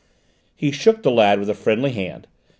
He shook the lad with a friendly hand.